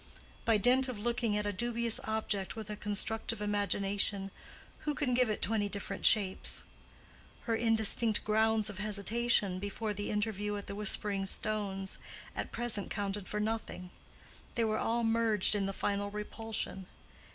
By dint of looking at a dubious object with a constructive imagination, one can give it twenty different shapes. Her indistinct grounds of hesitation before the interview at the Whispering Stones, at present counted for nothing; they were all merged in the final repulsion.